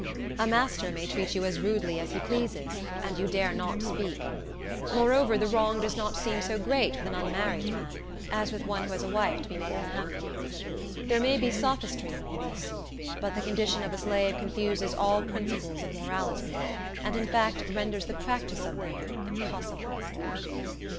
A master may treat you as rudely as he pleases, and you dare not speak; moreover, the wrong does not seem so great with an unmarried man, as with one who has a wife to be made unhappy. There may be sophistry in all this; but the condition of a slave confuses all principles of morality, and, in fact, renders the practice of them impossible.